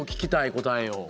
答えを。